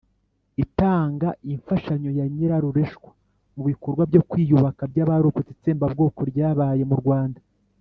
itanga imfashanyo ya nyirarureshwa mu bikorwa byo kwiyubaka by'abarokotse itsembabwoko ryabaye mu rwanda.